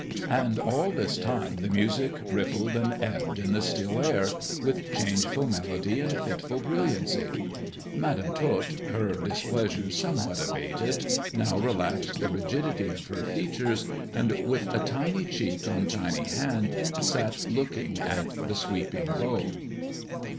And all this time the music rippled and ebbed on the still air with changeful melody and fitful brilliancy. Madam Tot, her displeasure somewhat abated, now relaxed the rigidity of her features, and with a tiny cheek on tiny hand sat looking at the sweeping bow.